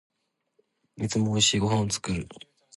いつも美味しいご飯を作る